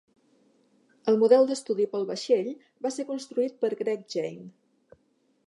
El model d'estudi per al vaixell va ser construït per Greg Jein.